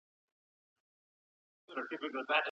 انسان هيڅکله د جنس په توګه نه کارول کيږي.